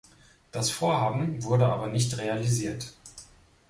Das Vorhaben wurde aber nicht realisiert.